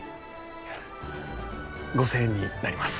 ５，０００円になります。